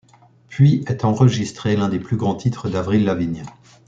Puis ' est enregistré, l'un des plus grands titres d'Avril Lavigne.